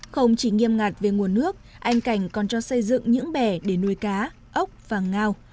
không chỉ nghiêm ngặt về nguồn nước anh cảnh còn cho xây dựng những bè để nuôi cá ốc và ngao